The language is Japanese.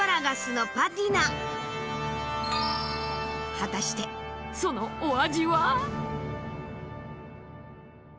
果たしてそのお味は？